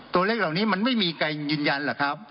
ตัวเลขเหล่านี้มันไม่มีใครยืนยันหรอกครับ